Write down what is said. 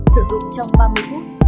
sử dụng trong ba mươi phút